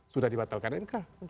sudah dibatalkan nk